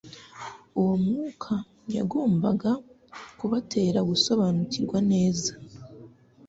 Uwo mwuka yagombaga kubatera gusobanukirwa neza,